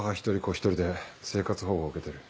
一人で生活保護を受けてる。